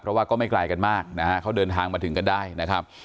เพราะว่าก็ไม่ไกลกันมากนะฮะเขาเดินทางมาถึงกันได้นะครับ